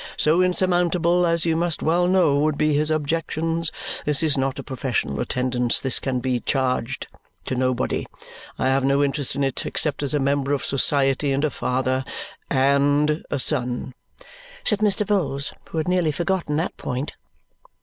So insurmountable, as you must well know, would be his objections. This is not a professional attendance. This can he charged to nobody. I have no interest in it except as a member of society and a father AND a son," said Mr. Vholes, who had nearly forgotten that point.